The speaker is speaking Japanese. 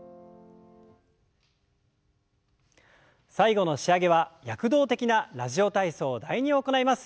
最後の仕上げは躍動的な「ラジオ体操第２」を行います。